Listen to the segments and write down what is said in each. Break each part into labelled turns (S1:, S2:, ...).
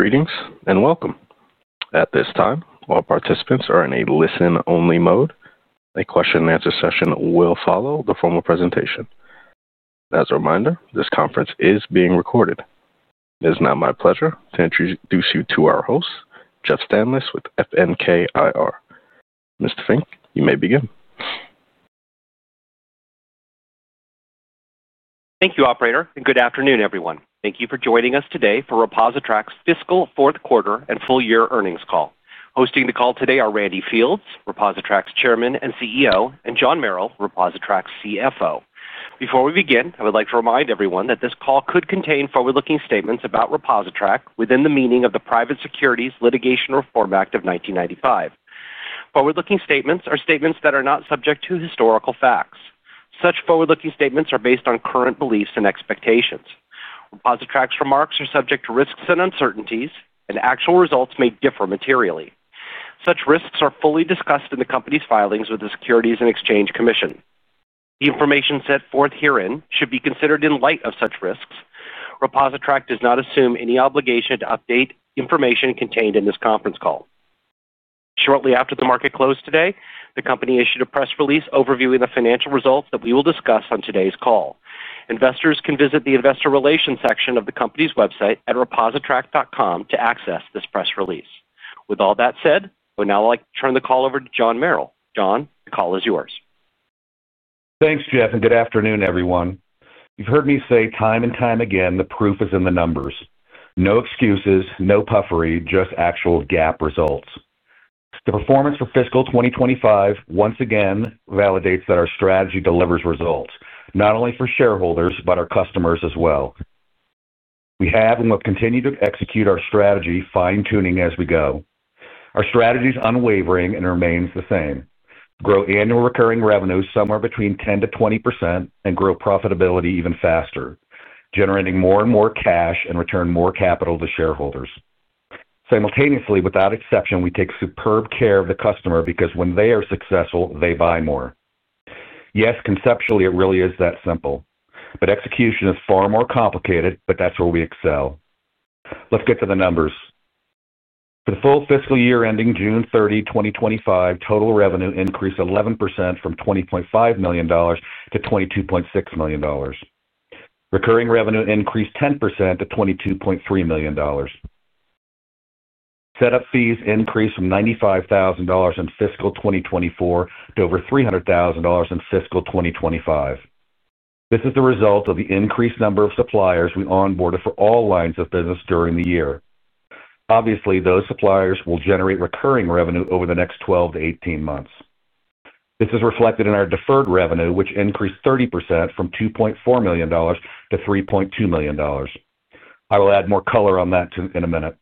S1: Greetings and welcome. At this time, while participants are in a listen-only mode, a question-and-answer session will follow the formal presentation. As a reminder, this conference is being recorded. It is now my pleasure to introduce you to our host, Jeff Stanlis with FNKIR. Mr. Stanlis, you may begin.
S2: Thank you, Operator, and good afternoon, everyone. Thank you for joining us today for ReposiTrak's fiscal fourth quarter and full-year earnings call. Hosting the call today are Randy Fields, ReposiTrak's Chairman and CEO, and John Merrill, ReposiTrak's CFO. Before we begin, I would like to remind everyone that this call could contain forward-looking statements about ReposiTrak within the meaning of the Private Securities Litigation Reform Act of 1995. Forward-looking statements are statements that are not subject to historical facts. Such forward-looking statements are based on current beliefs and expectations. ReposiTrak's remarks are subject to risks and uncertainties, and actual results may differ materially. Such risks are fully discussed in the company's filings with the Securities and Exchange Commission. The information set forth herein should be considered in light of such risks. ReposiTrak does not assume any obligation to update information contained in this conference call. Shortly after the market closed today, the company issued a press release overviewing the financial results that we will discuss on today's call. Investors can visit the Investor Relations section of the company's website at repositrak.com to access this press release. With all that said, I would now like to turn the call over to John Merrill. John, the call is yours.
S3: Thanks, Jeff, and good afternoon, everyone. You've heard me say time and time again, the proof is in the numbers. No excuses, no puffery, just actual GAAP results. The performance for fiscal 2025 once again validates that our strategy delivers results, not only for shareholders but our customers as well. We have and will continue to execute our strategy, fine-tuning as we go. Our strategy is unwavering and remains the same: grow annual recurring revenue somewhere between 10% to 20% and grow profitability even faster, generating more and more cash and returning more capital to shareholders. Simultaneously, without exception, we take superb care of the customer because when they are successful, they buy more. Yes, conceptually, it really is that simple. Execution is far more complicated, but that's where we excel. Let's get to the numbers. For the full fiscal year ending June 30, 2025, total revenue increased 11% from $20.5 million to $22.6 million. Recurring revenue increased 10% to $22.3 million. Setup fees increased from $95,000 in fiscal 2024 to over $300,000 in fiscal 2025. This is the result of the increased number of suppliers we onboarded for all lines of business during the year. Obviously, those suppliers will generate recurring revenue over the next 12 to 18 months. This is reflected in our deferred revenue, which increased 30% from $2.4 million to $3.2 million. I will add more color on that in a minute.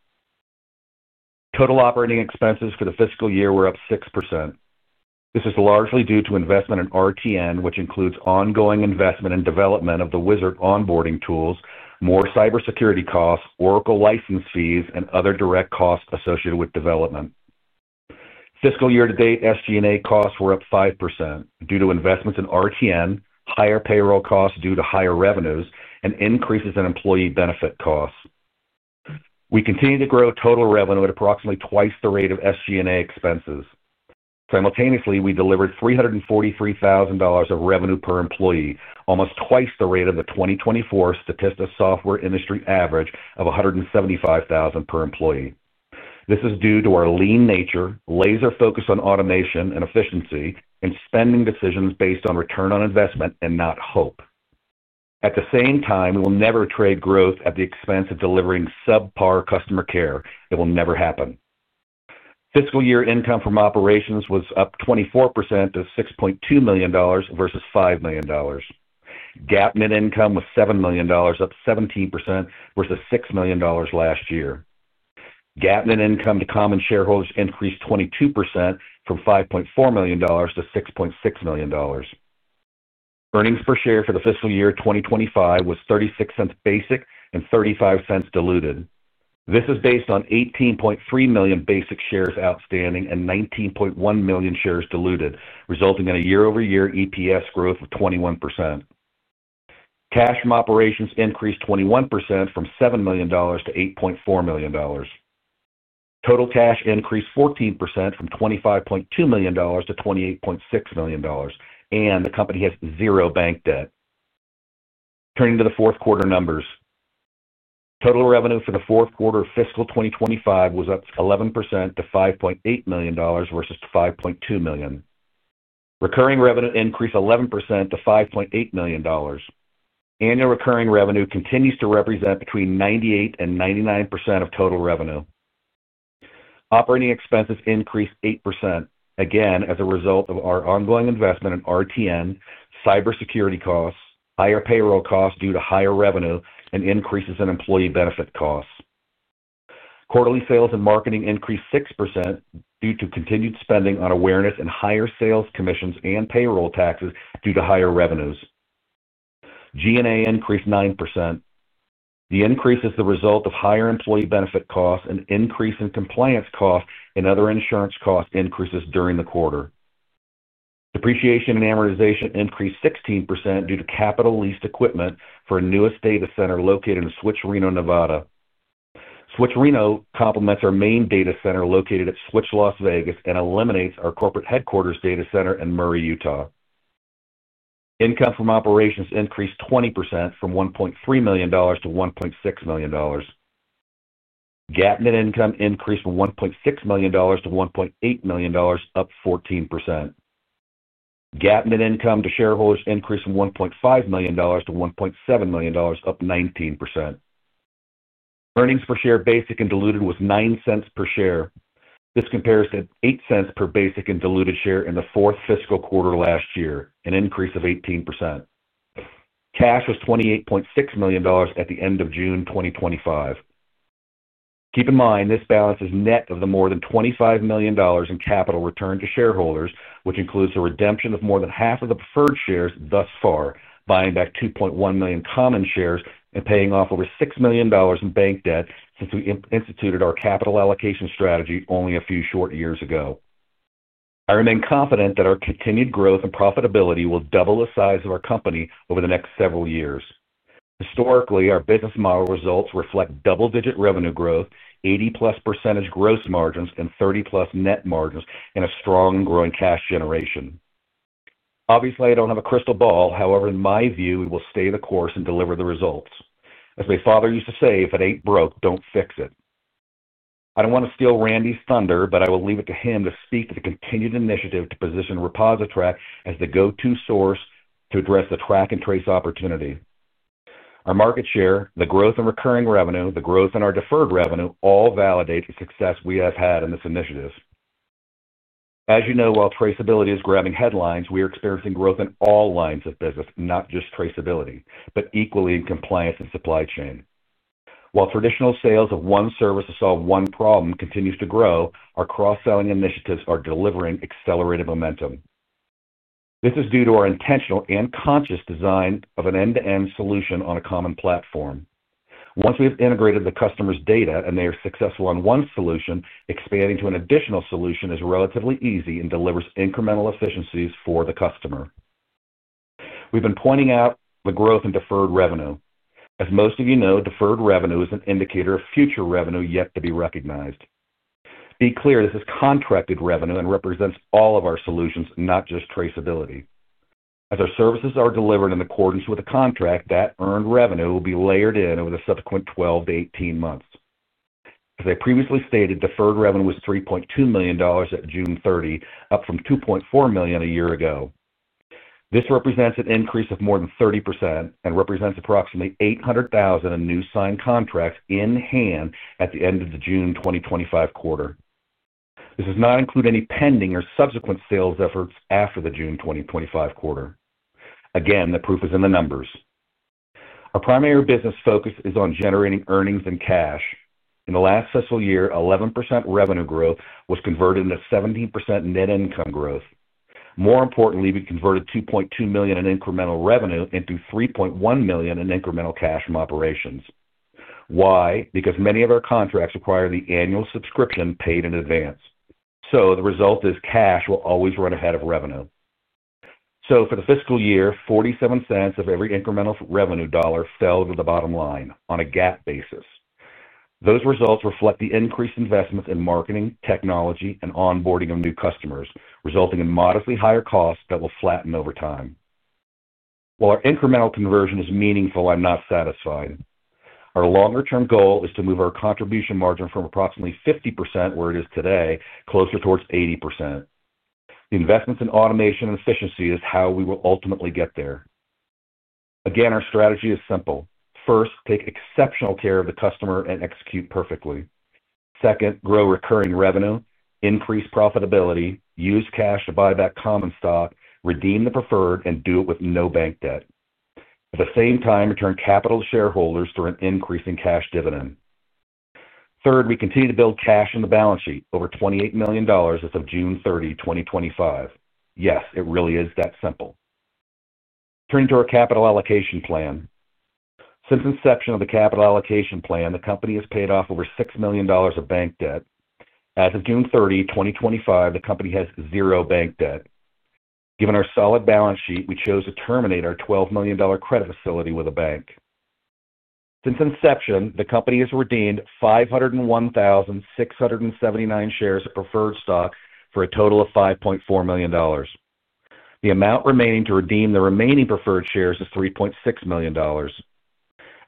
S3: Total operating expenses for the fiscal year were up 6%. This is largely due to investment in RTN, which includes ongoing investment in development of the AI-driven onboarding wizard tools, more cybersecurity costs, Oracle license fees, and other direct costs associated with development. Fiscal year-to-date SG&A costs were up 5% due to investments in RTN, higher payroll costs due to higher revenues, and increases in employee benefit costs. We continued to grow total revenue at approximately twice the rate of SG&A expenses. Simultaneously, we delivered $343,000 of revenue per employee, almost twice the rate of the 2024 Statista software industry average of $175,000 per employee. This is due to our lean nature, laser focus on automation and efficiency, and spending decisions based on return on investment and not hope. At the same time, we will never trade growth at the expense of delivering subpar customer care. It will never happen. Fiscal year income from operations was up 24% to $6.2 million versus $5 million. GAAP net income was $7 million, up 17% versus $6 million last year. GAAP net income to common shareholders increased 22% from $5.4 million to $6.6 million. Earnings per share for the fiscal year 2025 was $0.36 basic and $0.35 diluted. This is based on 18.3 million basic shares outstanding and 19.1 million shares diluted, resulting in a year-over-year EPS growth of 21%. Cash from operations increased 21% from $7 million to $8.4 million. Total cash increased 14% from $25.2 million to $28.6 million, and the company has zero bank debt. Turning to the fourth quarter numbers, total revenue for the fourth quarter of fiscal 2025 was up 11% to $5.8 million versus $5.2 million. Recurring revenue increased 11% to $5.8 million. Annual recurring revenue continues to represent between 98% and 99% of total revenue. Operating expenses increased 8%, again as a result of our ongoing investment in RTN, cybersecurity costs, higher payroll costs due to higher revenue, and increases in employee benefit costs. Quarterly sales and marketing increased 6% due to continued spending on awareness and higher sales commissions and payroll taxes due to higher revenues. G&A increased 9%. The increase is the result of higher employee benefit costs and increase in compliance costs and other insurance cost increases during the quarter. Depreciation and amortization increased 16% due to capital leased equipment for a newest data center located in Switch, Reno, Nevada. Switch, Reno complements our main data center located at Switch, Las Vegas, and eliminates our corporate headquarters data center in Murray, Utah. Income from operations increased 20% from $1.3 million to $1.6 million. GAAP net income increased from $1.6 million to $1.8 million, up 14%. GAAP net income to shareholders increased from $1.5 million to $1.7 million, up 19%. Earnings per share basic and diluted was $0.09 per share. This compares to $0.08 per basic and diluted share in the fourth fiscal quarter last year, an increase of 18%. Cash was $28.6 million at the end of June 2025. Keep in mind, this balance is net of the more than $25 million in capital returned to shareholders, which includes a redemption of more than half of the preferred shares thus far, buying back 2.1 million common shares, and paying off over $6 million in bank debt since we instituted our capital allocation strategy only a few short years ago. I remain confident that our continued growth and profitability will double the size of our company over the next several years. Historically, our business model results reflect double-digit revenue growth, 80+% gross margins, and 30+% net margins and a strong and growing cash generation. Obviously, I don't have a crystal ball. However, in my view, we will stay the course and deliver the results. As my father used to say, if it ain't broke don't fix it. I don't want to steal Randy's thunder, but I will leave it to him to speak to the continued initiative to position ReposiTrak as the go-to source to address the track and trace opportunity. Our market share, the growth in recurring revenue, the growth in our deferred revenue all validate the success we have had in this initiative. As you know, while traceability is grabbing headlines, we are experiencing growth in all lines of business, not just traceability, but equally in compliance and supply chain. While traditional sales of one service to solve one problem continue to grow, our cross-selling initiatives are delivering accelerated momentum. This is due to our intentional and conscious design of an end-to-end solution on a common platform. Once we've integrated the customer's data and they are successful on one solution, expanding to an additional solution is relatively easy and delivers incremental efficiencies for the customer. We've been pointing out the growth in deferred revenue. As most of you know, deferred revenue is an indicator of future revenue yet to be recognized. Be clear, this is contracted revenue and represents all of our solutions, not just traceability. As our services are delivered in accordance with the contract, that earned revenue will be layered in over the subsequent 12 to 18 months. As I previously stated, deferred revenue was $3.2 million at June 30, up from $2.4 million a year ago. This represents an increase of more than 30% and represents approximately $800,000 in new signed contracts in hand at the end of the June 2025 quarter. This does not include any pending or subsequent sales efforts after the June 2025 quarter. Again, the proof is in the numbers. Our primary business focus is on generating earnings and cash. In the last fiscal year, 11% revenue growth was converted into 17% net income growth. More importantly, we converted $2.2 million in incremental revenue into $3.1 million in incremental cash from operations. Why? Because many of our contracts require the annual subscription paid in advance. The result is cash will always run ahead of revenue. For the fiscal year, $0.47 of every incremental revenue dollar fell to the bottom line on a GAAP basis. Those results reflect the increased investments in marketing, technology, and onboarding of new customers, resulting in modestly higher costs that will flatten over time. While our incremental conversion is meaningful, I'm not satisfied. Our longer-term goal is to move our contribution margin from approximately 50% where it is today closer towards 80%. The investments in automation and efficiency is how we will ultimately get there. Again, our strategy is simple. First, take exceptional care of the customer and execute perfectly. Second, grow recurring revenue, increase profitability, use cash to buy back common stock, redeem the preferred, and do it with no bank debt. At the same time, return capital to shareholders through an increasing cash dividend. Third, we continue to build cash in the balance sheet, over $28 million as of June 30, 2025. Yes, it really is that simple. Turning to our capital allocation plan. Since inception of the capital allocation plan, the company has paid off over $6 million of bank debt. As of June 30, 2025, the company has zero bank debt. Given our solid balance sheet, we chose to terminate our $12 million credit facility with a bank. Since inception, the company has redeemed 501,679 shares of preferred stock for a total of $5.4 million. The amount remaining to redeem the remaining preferred shares is $3.6 million.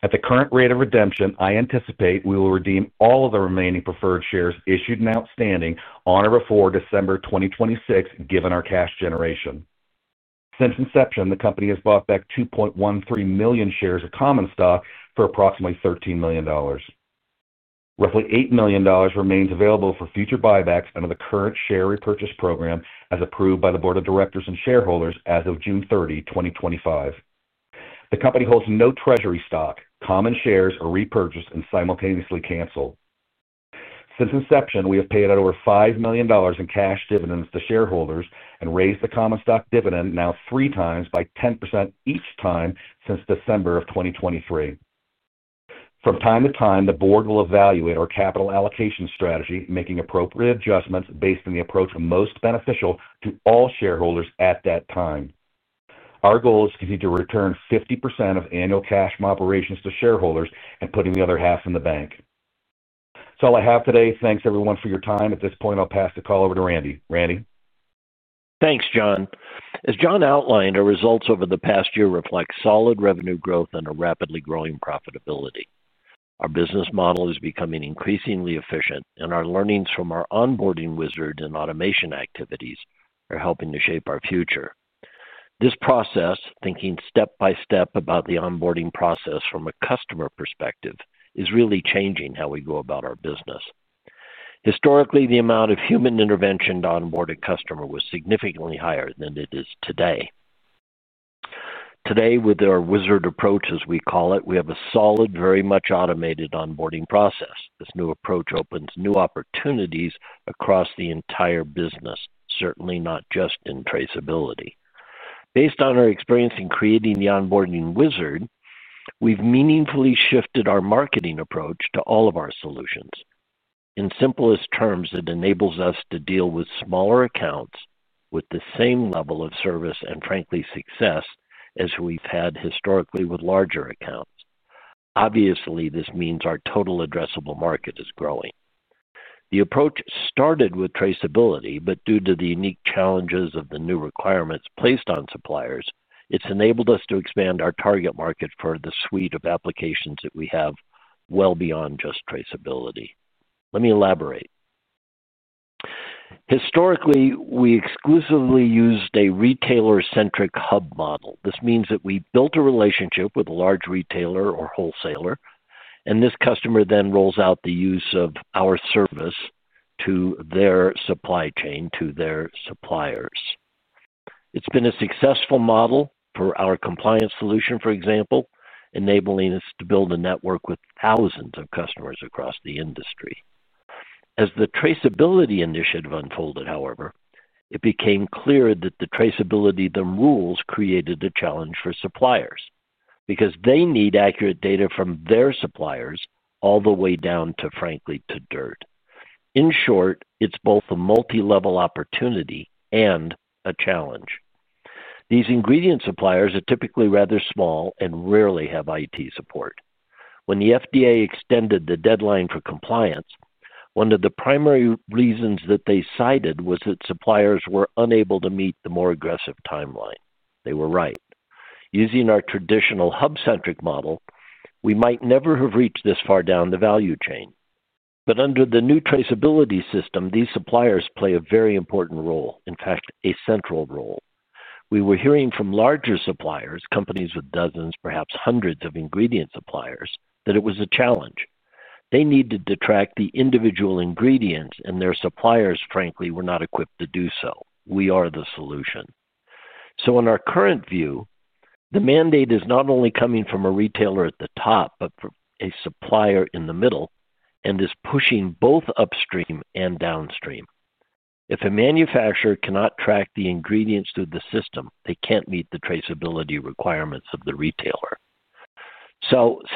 S3: At the current rate of redemption, I anticipate we will redeem all of the remaining preferred shares issued and outstanding on or before December 2026, given our cash generation. Since inception, the company has bought back 2.13 million shares of common stock for approximately $13 million. Roughly $8 million remains available for future buybacks under the current share repurchase program as approved by the Board of Directors and shareholders as of June 30, 2025. The company holds no treasury stock. Common shares are repurchased and simultaneously canceled. Since inception, we have paid out over $5 million in cash dividends to shareholders and raised the common stock dividend now three times by 10% each time since December of 2023. From time to time, the board will evaluate our capital allocation strategy, making appropriate adjustments based on the approach most beneficial to all shareholders at that time. Our goal is to continue to return 50% of annual cash from operations to shareholders and putting the other half in the bank. That's all I have today. Thanks, everyone, for your time. At this point, I'll pass the call over to Randy. Randy?
S4: Thanks, John. As John outlined, our results over the past year reflect solid revenue growth and a rapidly growing profitability. Our business model is becoming increasingly efficient, and our learnings from our onboarding wizard and automation activities are helping to shape our future. This process, thinking step by step about the onboarding process from a customer perspective, is really changing how we go about our business. Historically, the amount of human intervention to onboard a customer was significantly higher than it is today. Today, with our wizard approach, as we call it, we have a solid, very much automated onboarding process. This new approach opens new opportunities across the entire business, certainly not just in traceability. Based on our experience in creating the onboarding wizard, we've meaningfully shifted our marketing approach to all of our solutions. In simplest terms, it enables us to deal with smaller accounts with the same level of service and, frankly, success as we've had historically with larger accounts. Obviously, this means our total addressable market is growing. The approach started with traceability, but due to the unique challenges of the new requirements placed on suppliers, it's enabled us to expand our target market for the suite of applications that we have well beyond just traceability. Let me elaborate. Historically, we exclusively used a retailer-centric hub model. This means that we built a relationship with a large retailer or wholesaler, and this customer then rolls out the use of our service to their supply chain, to their suppliers. It's been a successful model for our compliance solution, for example, enabling us to build a network with thousands of customers across the industry. As the traceability initiative unfolded, however, it became clear that the traceability rules created a challenge for suppliers because they need accurate data from their suppliers all the way down to, frankly, to dirt. In short, it's both a multi-level opportunity and a challenge. These ingredient suppliers are typically rather small and rarely have IT support. When the FDA extended the deadline for compliance, one of the primary reasons that they cited was that suppliers were unable to meet the more aggressive timeline. They were right. Using our traditional hub-centric model, we might never have reached this far down the value chain. Under the new traceability system, these suppliers play a very important role, in fact, a central role. We were hearing from larger suppliers, companies with dozens, perhaps hundreds of ingredient suppliers, that it was a challenge. They needed to track the individual ingredients, and their suppliers, frankly, were not equipped to do so. We are the solution. In our current view, the mandate is not only coming from a retailer at the top, but from a supplier in the middle and is pushing both upstream and downstream. If a manufacturer cannot track the ingredients through the system, they can't meet the traceability requirements of the retailer.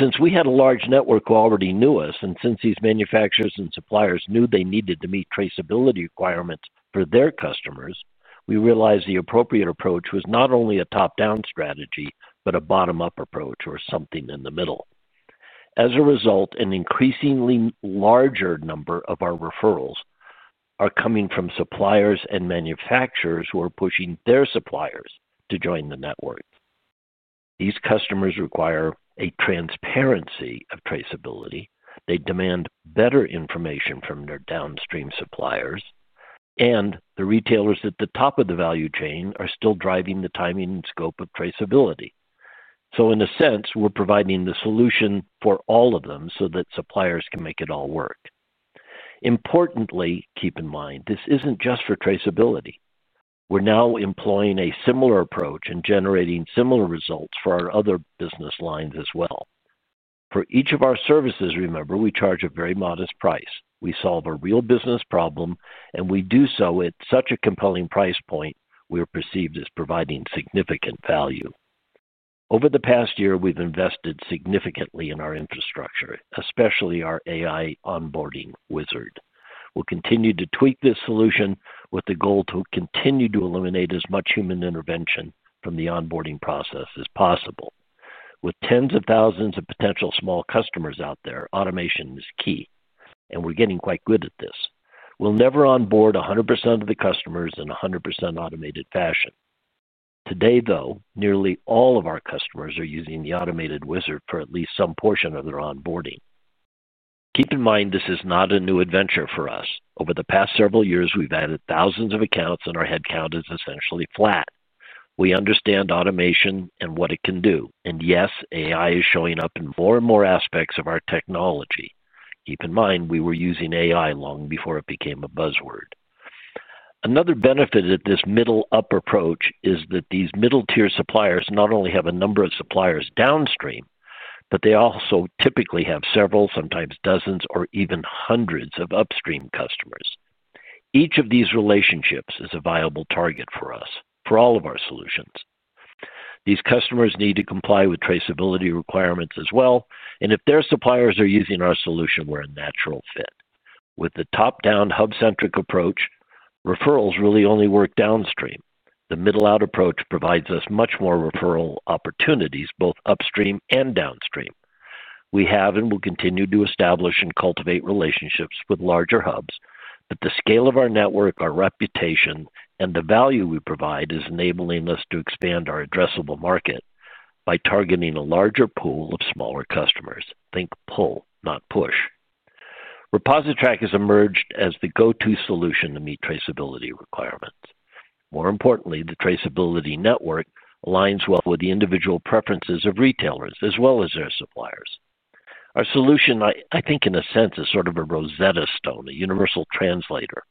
S4: Since we had a large network who already knew us, and since these manufacturers and suppliers knew they needed to meet traceability requirements for their customers, we realized the appropriate approach was not only a top-down strategy, but a bottom-up approach or something in the middle. As a result, an increasingly larger number of our referrals are coming from suppliers and manufacturers who are pushing their suppliers to join the network. These customers require a transparency of traceability. They demand better information from their downstream suppliers, and the retailers at the top of the value chain are still driving the timing and scope of traceability. In a sense, we're providing the solution for all of them so that suppliers can make it all work. Importantly, keep in mind, this isn't just for traceability. We're now employing a similar approach and generating similar results for our other business lines as well. For each of our services, remember, we charge a very modest price. We solve a real business problem, and we do so at such a compelling price point we are perceived as providing significant value. Over the past year, we've invested significantly in our infrastructure, especially our AI-driven onboarding wizard. We'll continue to tweak this solution with the goal to continue to eliminate as much human intervention from the onboarding process as possible. With tens of thousands of potential small customers out there, automation is key, and we're getting quite good at this. We'll never onboard 100% of the customers in a 100% automated fashion. Today, though, nearly all of our customers are using the automated wizard for at least some portion of their onboarding. Keep in mind, this is not a new adventure for us. Over the past several years, we've added thousands of accounts, and our headcount is essentially flat. We understand automation and what it can do. Yes, AI is showing up in more and more aspects of our technology. Keep in mind, we were using AI long before it became a buzzword. Another benefit of this middle-up approach is that these middle-tier suppliers not only have a number of suppliers downstream, but they also typically have several, sometimes dozens, or even hundreds of upstream customers. Each of these relationships is a viable target for us, for all of our solutions. These customers need to comply with traceability requirements as well, and if their suppliers are using our solution, we're a natural fit. With the top-down hub-centric approach, referrals really only work downstream. The middle-out approach provides us much more referral opportunities, both upstream and downstream. We have, and will continue to establish and cultivate relationships with larger hubs, but the scale of our network, our reputation, and the value we provide is enabling us to expand our addressable market by targeting a larger pool of smaller customers. Think pull, not push. ReposiTrak has emerged as the go-to solution to meet traceability requirements. More importantly, the traceability network aligns well with the individual preferences of retailers as well as their suppliers. Our solution, I think, in a sense, is sort of a Rosetta Stone, a universal translator.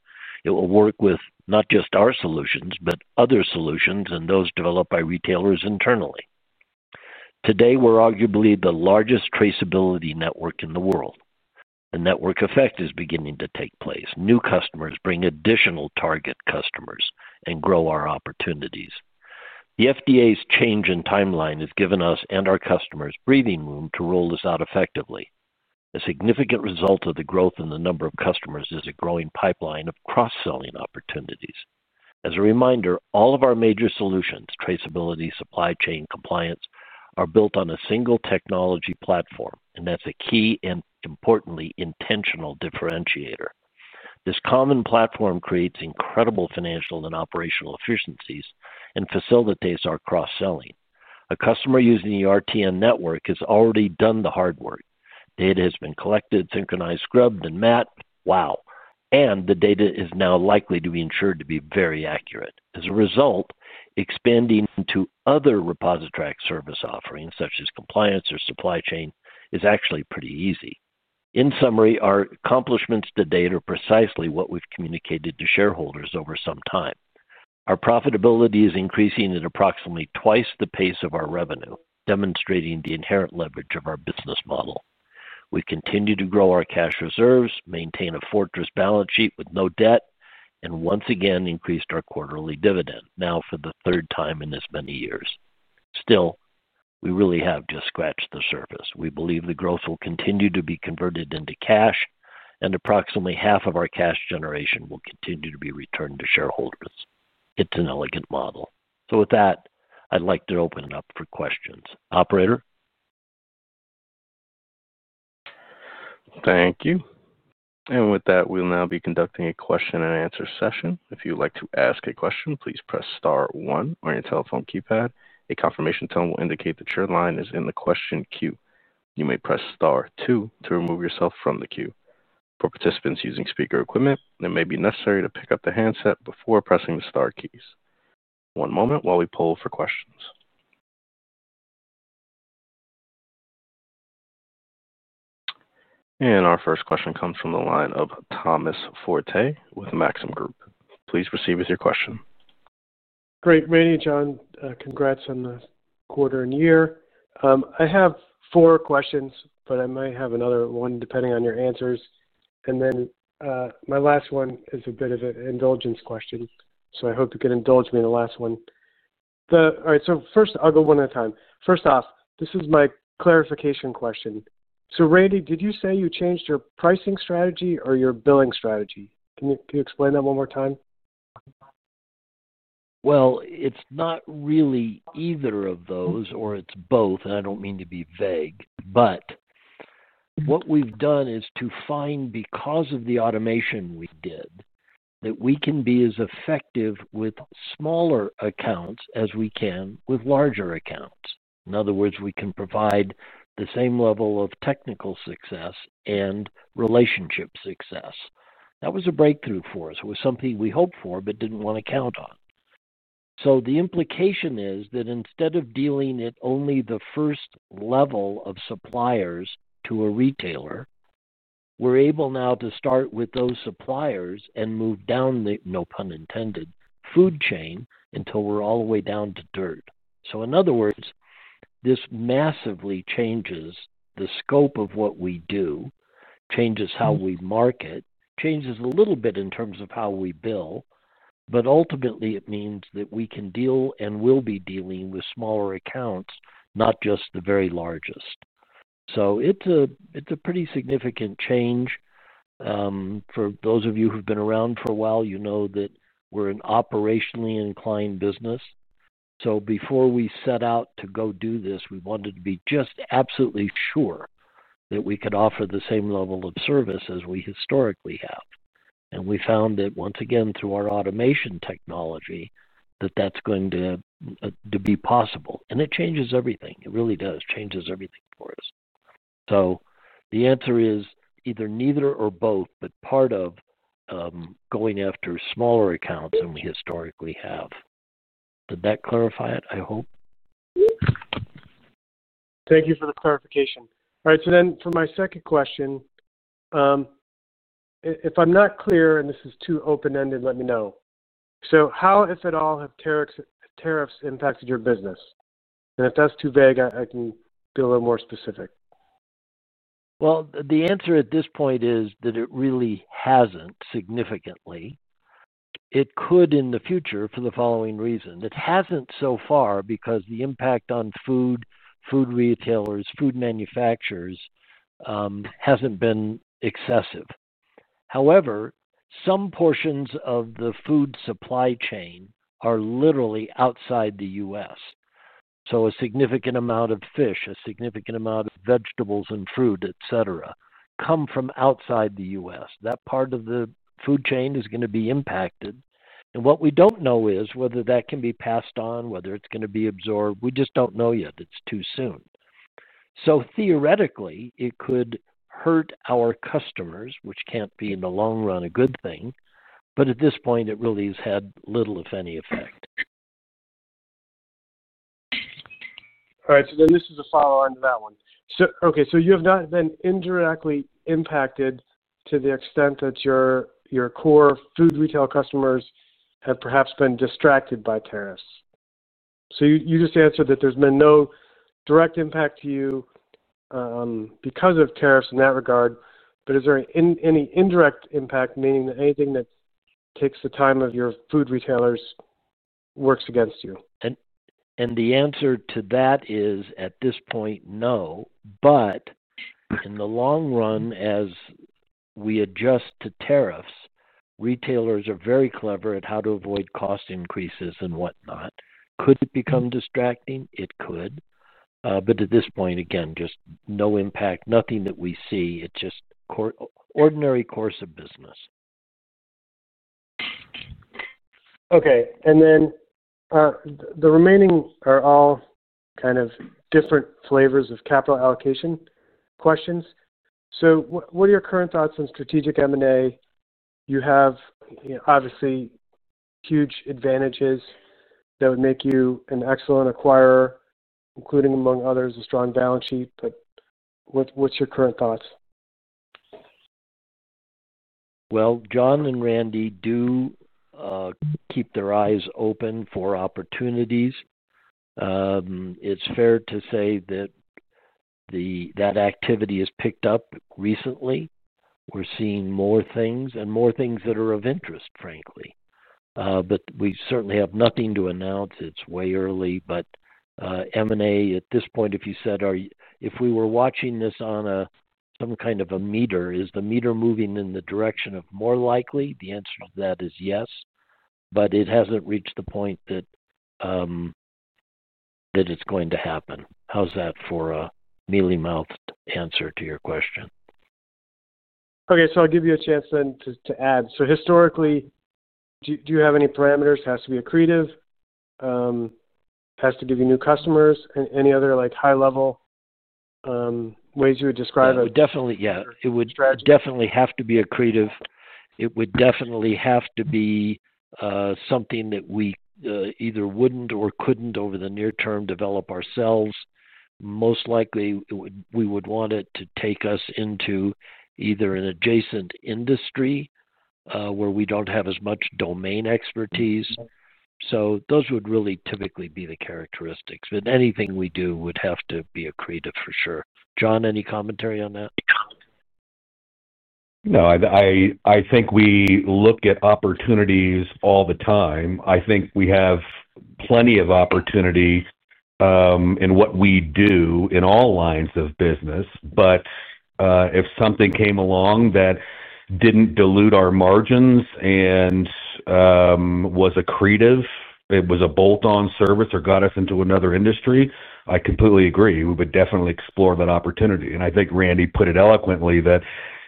S4: It will work with not just our solutions, but other solutions and those developed by retailers internally. Today, we're arguably the largest traceability network in the world. The network effect is beginning to take place. New customers bring additional target customers and grow our opportunities. The FDA's change in timeline has given us and our customers breathing room to roll this out effectively. A significant result of the growth in the number of customers is a growing pipeline of cross-selling opportunities. As a reminder, all of our major solutions, traceability, supply chain, and compliance are built on a single technology platform, and that's a key and importantly intentional differentiator. This common platform creates incredible financial and operational efficiencies and facilitates our cross-selling. A customer using the RTN network has already done the hard work. Data has been collected, synchronized, scrubbed, and mapped. Wow. The data is now likely to be ensured to be very accurate. As a result, expanding to other ReposiTrak service offerings, such as Compliance Management or Supply Chain Solutions, is actually pretty easy. In summary, our accomplishments to date are precisely what we've communicated to shareholders over some time. Our profitability is increasing at approximately twice the pace of our revenue, demonstrating the inherent leverage of our business model. We continue to grow our cash reserves, maintain a fortress balance sheet with no debt, and once again increased our quarterly dividend, now for the third time in as many years. Still, we really have just scratched the surface. We believe the growth will continue to be converted into cash, and approximately half of our cash generation will continue to be returned to shareholders. It's an elegant model. With that, I'd like to open it up for questions. Operator?
S1: Thank you. With that, we will now be conducting a question-and-answer session. If you would like to ask a question, please press star one on your telephone keypad. A confirmation tone will indicate that your line is in the question queue. You may press star two to remove yourself from the queue. For participants using speaker equipment, it may be necessary to pick up the handset before pressing the star keys. One moment while we poll for questions. Our first question comes from the line of Thomas Forte with Maxim Group. Please proceed with your question.
S5: Great. Randy and John, congrats on the quarter and year. I have four questions, but I might have another one depending on your answers. My last one is a bit of an indulgence question. I hope you can indulge me in the last one. All right. First, I'll go one at a time. First off, this is my clarification question. Randy, did you say you changed your pricing strategy or your billing strategy? Can you explain that one more time?
S4: It's not really either of those, or it's both, and I don't mean to be vague, but what we've done is to find, because of the automation we did, that we can be as effective with smaller accounts as we can with larger accounts. In other words, we can provide the same level of technical success and relationship success. That was a breakthrough for us. It was something we hoped for but didn't want to count on. The implication is that instead of dealing at only the first level of suppliers to a retailer, we're able now to start with those suppliers and move down the, no pun intended, food chain until we're all the way down to dirt. In other words, this massively changes the scope of what we do, changes how we market, changes a little bit in terms of how we bill, but ultimately, it means that we can deal and will be dealing with smaller accounts, not just the very largest. It's a pretty significant change. For those of you who've been around for a while, you know that we're an operationally inclined business. Before we set out to go do this, we wanted to be just absolutely sure that we could offer the same level of service as we historically have. We found that once again, through our automation technology, that's going to be possible. It changes everything. It really does. It changes everything for us. The answer is either neither or both, but part of going after smaller accounts than we historically have. Did that clarify it? I hope.
S5: Thank you for the clarification. All right. For my second question, if I'm not clear and this is too open-ended, let me know. How, if at all, have tariffs impacted your business? If that's too vague, I can be a little more specific.
S4: The answer at this point is that it really hasn't significantly. It could in the future for the following reason. It hasn't so far because the impact on food, food retailers, food manufacturers hasn't been excessive. However, some portions of the food supply chain are literally outside the U.S. A significant amount of fish, a significant amount of vegetables and fruit, etc., come from outside the U.S. That part of the food chain is going to be impacted. What we don't know is whether that can be passed on, whether it's going to be absorbed. We just don't know yet. It's too soon. Theoretically, it could hurt our customers, which can't be in the long run a good thing, but at this point, it really has had little, if any, effect.
S5: All right. This is the follow-on to that one. Okay, you have not been indirectly impacted to the extent that your core food retail customers have perhaps been distracted by tariffs. You just answered that there's been no direct impact to you because of tariffs in that regard, but is there any indirect impact, meaning that anything that takes the time of your food retailers works against you?
S4: At this point, no, but in the long run, as we adjust to tariffs, retailers are very clever at how to avoid cost increases and whatnot. Could it become distracting? It could. At this point, again, just no impact, nothing that we see. It's just an ordinary course of business.
S5: Okay. The remaining are all kind of different flavors of capital allocation questions. What are your current thoughts on strategic M&A? You have, obviously, huge advantages that would make you an excellent acquirer, including, among others, a strong balance sheet. What's your current thoughts?
S4: John and Randy do keep their eyes open for opportunities. It's fair to say that activity has picked up recently. We're seeing more things and more things that are of interest, frankly. We certainly have nothing to announce. It's way early. If you said, if we were watching this on some kind of a meter, is the meter moving in the direction of more likely? The answer to that is yes, but it hasn't reached the point that it's going to happen. How's that for a mealy-mouthed answer to your question?
S5: I'll give you a chance to add. Historically, do you have any parameters? It has to be accretive. It has to give you new customers. Any other high-level ways you would describe it?
S4: Definitely, yeah. It would definitely have to be accretive. It would definitely have to be something that we either wouldn't or couldn't over the near term develop ourselves. Most likely, we would want it to take us into either an adjacent industry where we don't have as much domain expertise. Those would really typically be the characteristics. Anything we do would have to be accretive for sure. John, any commentary on that?
S3: No, I think we look at opportunities all the time. I think we have plenty of opportunity in what we do in all lines of business. If something came along that didn't dilute our margins and was accretive, it was a bolt-on service or got us into another industry, I completely agree. We would definitely explore that opportunity. I think Randy put it eloquently that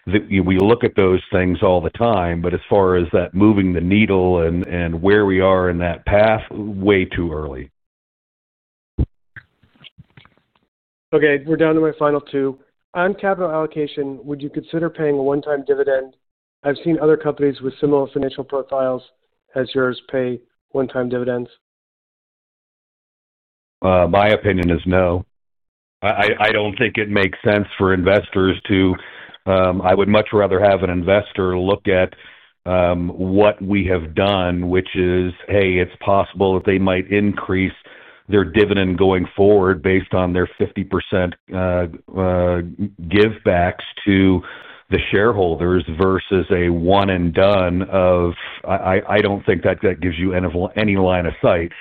S3: we look at those things all the time, but as far as that moving the needle and where we are in that path, way too early.
S5: Okay. We're down to my final two. On capital allocation, would you consider paying a one-time dividend? I've seen other companies with similar financial profiles as yours pay one-time dividends.
S3: My opinion is no. I don't think it makes sense for investors to, I would much rather have an investor look at what we have done, which is, hey, it's possible that they might increase their dividend going forward based on their 50% give-backs to the shareholders versus a one-and-done of, I don't think that gives you any line of sight.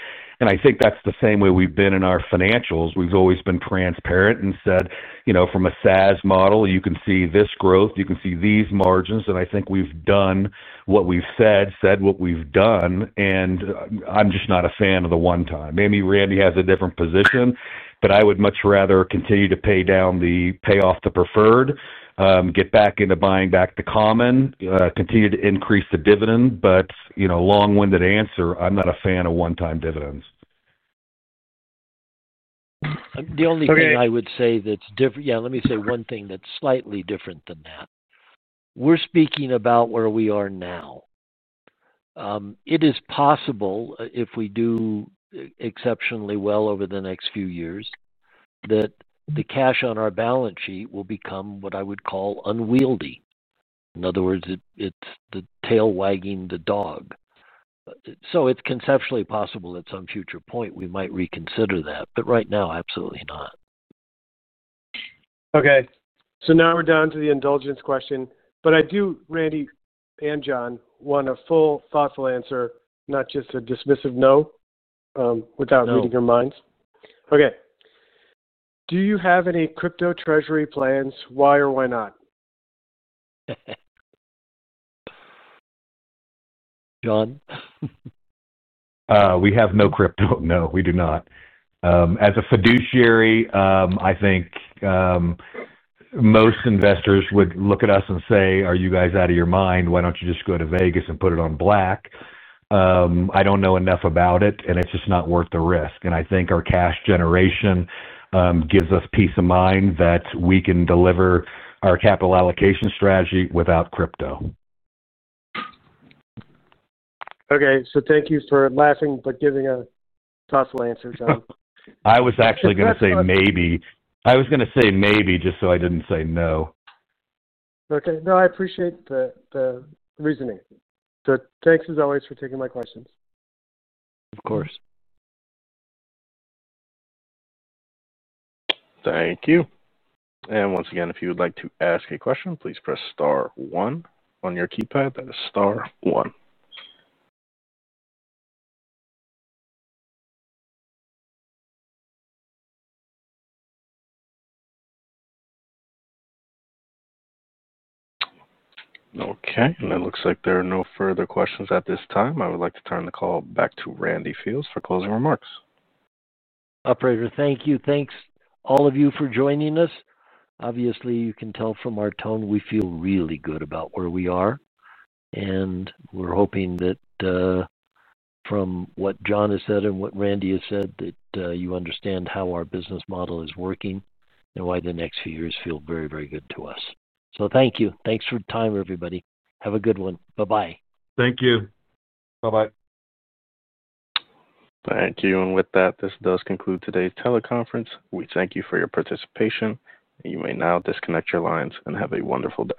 S3: I think that's the same way we've been in our financials. We've always been transparent and said, you know, from a SaaS model, you can see this growth, you can see these margins, and I think we've done what we've said, said what we've done, and I'm just not a fan of the one-time. Maybe Randy has a different position. I would much rather continue to pay off the preferred, get back into buying back the common, continue to increase the dividend, but, you know, long-winded answer, I'm not a fan of one-time dividends.
S4: The only thing I would say that's different, let me say one thing that's slightly different than that. We're speaking about where we are now. It is possible, if we do exceptionally well over the next few years, that the cash on our balance sheet will become what I would call unwieldy. In other words, it's the tail wagging the dog. It's conceptually possible at some future point we might reconsider that, but right now, absolutely not.
S5: Okay. Now we're down to the indulgence question, but I do, Randy and John, want a full, thoughtful answer, not just a dismissive no without reading your minds. Do you have any crypto treasury plans? Why or why not? John?
S3: We have no crypto. No, we do not. As a fiduciary, I think most investors would look at us and say, "Are you guys out of your mind? Why don't you just go to Vegas and put it on black?" I don't know enough about it, and it's just not worth the risk. I think our cash generation gives us peace of mind that we can deliver our capital allocation strategy without crypto.
S5: Okay. Thank you for laughing, but giving a thoughtful answer, John.
S3: I was going to say maybe just so I didn't say no.
S5: Okay, I appreciate the reasoning. Thanks as always for taking my questions.
S3: Of course.
S1: Thank you. Once again, if you would like to ask a question, please press star one on your keypad. That is star one. It looks like there are no further questions at this time. I would like to turn the call back to Randy Fields for closing remarks.
S4: Operator, thank you. Thank you, all of you, for joining us. Obviously, you can tell from our tone we feel really good about where we are. We are hoping that from what John has said and what Randy has said, you understand how our business model is working and why the next few years feel very, very good to us. Thank you. Thank you for your time, everybody. Have a good one. Bye-bye.
S5: Thank you.
S3: Bye-bye.
S1: Thank you. With that, this does conclude today's teleconference. We thank you for your participation. You may now disconnect your lines and have a wonderful day.